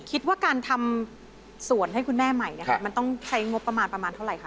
คิดว่าการทำสวนให้คุณแม่ใหม่มันต้องใช้งบประมาณเท่าไรค่ะ